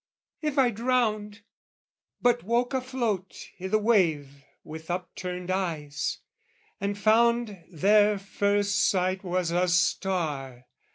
If I drowned, But woke afloat i' the wave with upturned eyes, And found their first sight was a star!